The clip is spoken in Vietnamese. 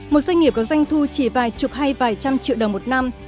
một doanh nghiệp có doanh thu chỉ vài chục hay vài trăm triệu đồng một năm